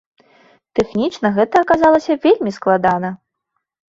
Тэхнічна гэта аказалася вельмі складана.